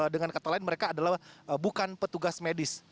dengan kata lain mereka adalah bukan petugas medis